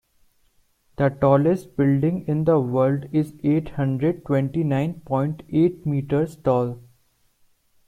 The tallest building in the world is eight hundred twenty nine point eight meters tall.